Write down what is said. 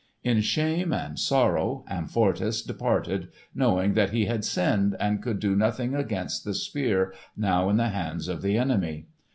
In shame and sorrow Amfortas departed, knowing that he had sinned and could do nothing against the Spear now in the hands of the enemy.